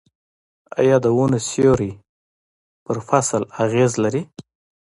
آیا د ونو سیوری په فصل اغیز لري؟